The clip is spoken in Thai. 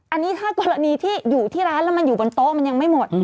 อันนี้ถ้ากรณีที่อยู่ที่ร้านแล้วมันอยู่บนโต๊ะมันยังไม่หมด